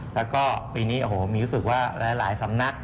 แล้วก็ปีนี้โอ้โหมีรู้สึกว่าหลายสำนัก